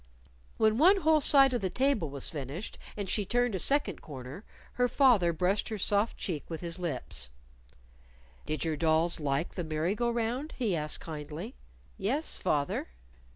When one whole side of the table was finished, and she turned a second corner, her father brushed her soft cheek with his lips. "Did your dolls like the merry go round?" he asked kindly. "Yes, fath er."